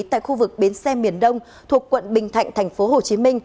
tại khu vực bến xe miền đông thuộc quận bình thạnh tp hcm